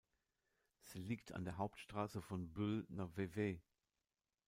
Sie liegt an der Hauptstrasse von Bulle nach Vevey.